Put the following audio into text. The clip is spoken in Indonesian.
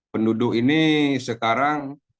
penduduk ini sekarang